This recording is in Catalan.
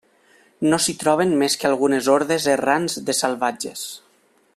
No s'hi troben més que algunes hordes errants de salvatges.